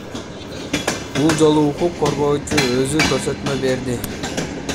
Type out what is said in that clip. Бул жолу укук коргоочу өзү көрсөтмө берди.